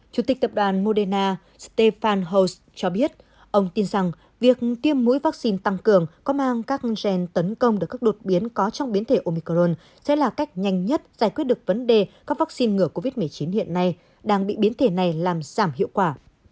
chủ tịch tập đoàn moderna stefan house cho biết ông tin rằng việc tiêm mũi vaccine tăng cường có mang các gen tấn công được các đột biến có trong biến thể omicron sẽ là cách nhanh nhất giải quyết được vấn đề các vaccine ngừa covid một mươi chín hiện nay đang bị biến thể này làm giảm hiệu quả